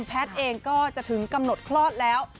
แพทย์เองก็จะถึงกำหนดคลอดแล้ว